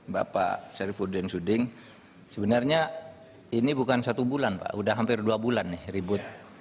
bapak syarifudin suding sebenarnya ini bukan satu bulan pak sudah hampir dua bulan nih ribut